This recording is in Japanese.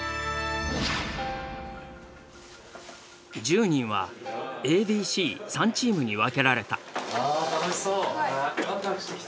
１０人はＡＢＣ３チームに分けられた。